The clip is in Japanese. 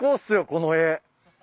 この絵。